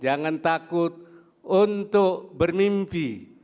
jangan takut untuk bermimpi